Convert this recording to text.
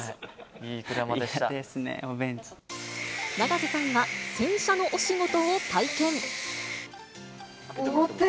いいですね、永瀬さんは洗車のお仕事を体験。